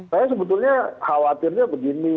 saya sebetulnya khawatirnya begini